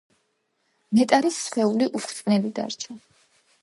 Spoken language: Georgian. ნეტარის სხეული უხრწნელი დარჩა.